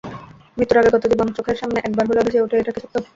মৃত্যুর আগে গত জীবন চোখের সামনে একবার হলেও ভেসে ওঠে, এটা কি সত্য?